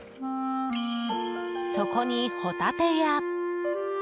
そこに、ホタテや。